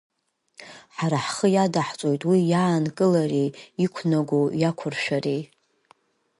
Ҳара ҳхы иадаҳҵоит уи иаанкылареи иқәнагоу иақәыршәареи.